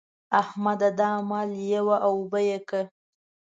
احمده! دا مال یوه او اوبه يې کړه.